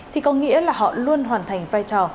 thì có nghĩa là họ luôn hoàn thành vai trò